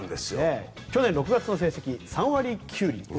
去年６月の成績３割９厘。